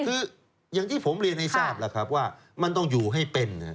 คืออย่างที่ผมเรียนให้ทราบมันต้องอยู่ให้เป็น